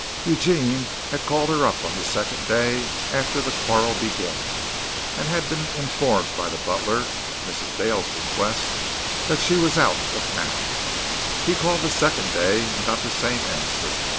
Eugene had called her up on the second day after the quarrel began and had been informed by the butler, at Mrs. Dale's request, that she was out of town. He called the second day, and got the same answer.